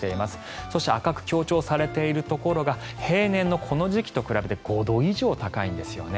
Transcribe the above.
そして赤く強調されているところが平年のこの時期と比べて５度以上高いんですよね。